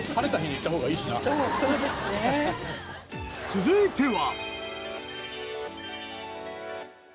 続いては。